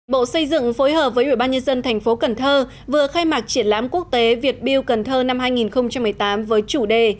bộ xây dựng phối hợp với ubnd tp cnh vừa khai mạc triển lãm quốc tế việt build cần thơ năm hai nghìn một mươi tám với chủ đề